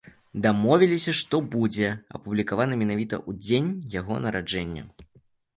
Дамовіліся, што будзе апублікавана менавіта ў дзень яго нараджэння.